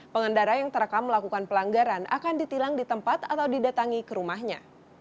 pengendara yang terekam melakukan pelanggaran akan ditilang di tempat atau didatangi ke rumahnya